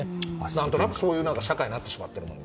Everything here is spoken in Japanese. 何となく、そういう社会になってしまっている。